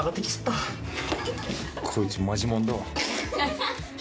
こいつマジモンだわ。